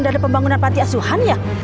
dari pembangunan panti asuhan ya